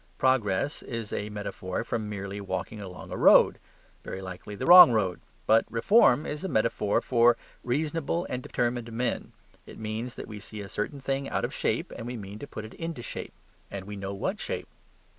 Progress is a metaphor from merely walking along a road very likely the wrong road. But reform is a metaphor for reasonable and determined men: it means that we see a certain thing out of shape and we mean to put it into shape. And we know what shape.